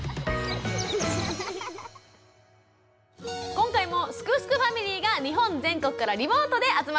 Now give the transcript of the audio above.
今回も「すくすくファミリー」が日本全国からリモートで集まってくれています。